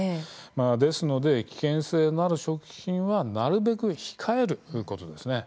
ですので、危険性のある食品はなるべく控えることですね。